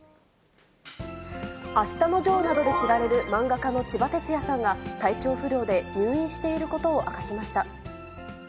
あしたのジョーなどで知られる漫画家のちばてつやさんが、体調不良で入院していることを明かしました。